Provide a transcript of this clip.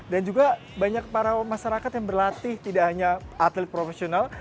dan juga banyak para masyarakat yang berlatih tidak hanya atlet profesional